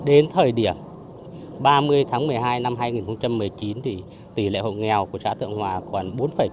đến thời điểm ba mươi tháng một mươi hai năm hai nghìn một mươi chín tỷ lệ hộ nghèo của xã tượng hòa còn bốn chín mươi một